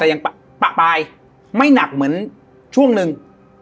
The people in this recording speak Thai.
แต่ยังปะปลายไม่หนักเหมือนช่วงหนึ่ง